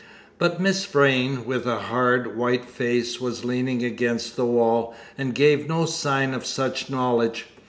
But Miss Vrain, with a hard, white face, was leaning against the wall, and gave no sign of such knowledge.